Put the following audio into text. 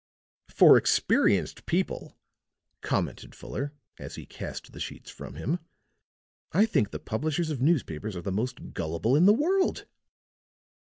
"For experienced people," commented Fuller, as he cast the sheets from him, "I think the publishers of newspapers are the most gullible in the world.